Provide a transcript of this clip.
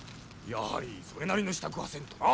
やはりそれなりの支度はせんとな。